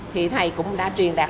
thầy cũng đã truyền đạt